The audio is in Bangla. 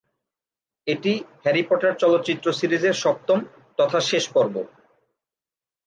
এটি "হ্যারি পটার" চলচ্চিত্র সিরিজের সপ্তম তথা শেষ পর্ব।